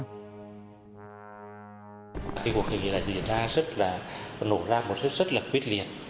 cái cuộc khởi nghĩa này diễn ra rất là nổ ra một sức rất là quyết liệt